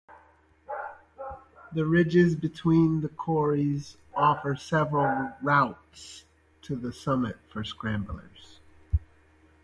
The ridges between the corries offer several routes to the summit for scramblers.